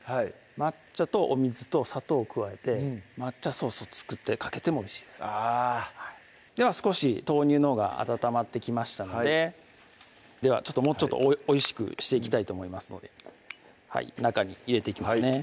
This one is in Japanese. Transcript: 抹茶とお水と砂糖を加えて抹茶ソースを作ってかけてもおいしいですでは少し豆乳のほうが温まってきましたのでではもうちょっとおいしくしていきたいと思いますので中に入れていきますね